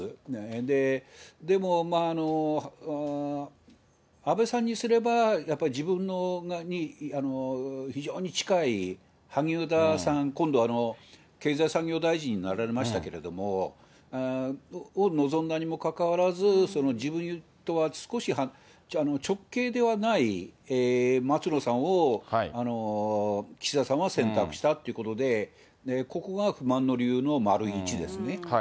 で、でも、安倍さんにすれば、やっぱり自分に非常に近い萩生田さん、今度、経済産業大臣になられましたけれども、望んだにもかかわらず、その自分とは、直系ではない松野さんを、岸田さんは選択したっていうことで、ここが不満の理由の１ですね。